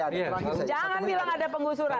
tidak ada pengusuran